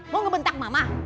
mau ngebentak mama